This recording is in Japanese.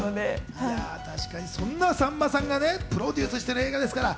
そんなさんまさんがプロデュースしている映画ですから。